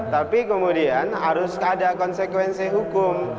tapi kemudian harus ada konsekuensi hukum